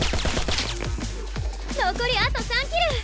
「」残りあと３キル！